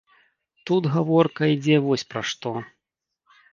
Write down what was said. Тут гаворка ідзе вось пра што.